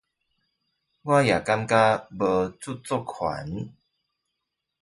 我也覺得沒有著作權